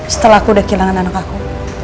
setelah aku udah kehilangan anak aku